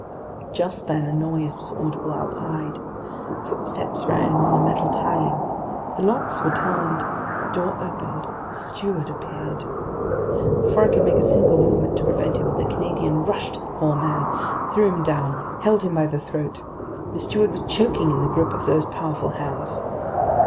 Just then a noise was audible outside. Footsteps rang on the metal tiling. The locks were turned, the door opened, the steward appeared. Before I could make a single movement to prevent him, the Canadian rushed at the poor man, threw him down, held him by the throat. The steward was choking in the grip of those powerful hands.